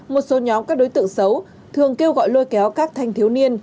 một số nhóm các đối tượng xấu thường kêu gọi lôi kéo các thanh thiếu niên